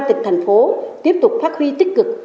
tịch thành phố tiếp tục phát huy tích cực